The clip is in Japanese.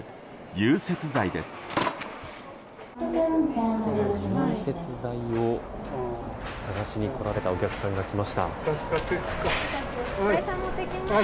融雪剤を探しに来られたお客さんが来ました。